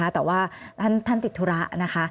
แต่ว่าท่านติดธุระนะคะ